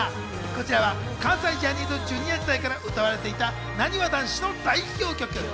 こちらは関西ジャニーズＪｒ．時代から歌われていた、なにわ男子の代表曲。